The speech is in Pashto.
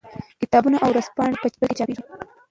کتابونه او ورځپاڼې په کابل کې چاپېدې.